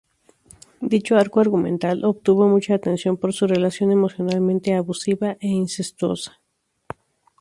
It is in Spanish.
Dicho arco argumental obtuvo mucha atención por su relación emocionalmente abusiva e incestuosa.